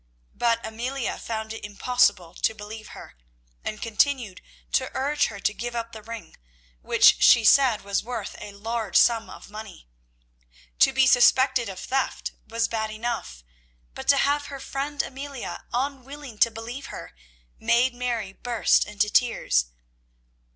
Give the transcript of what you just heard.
But Amelia found it impossible to believe her, and continued to urge her to give up the ring, which she said was worth a large sum of money. To be suspected of theft was bad enough, but to have her friend Amelia unwilling to believe her, made Mary burst into tears.